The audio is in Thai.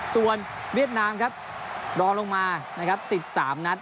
ส่วนเวียดนามครับร้องลงมา๑๓นัท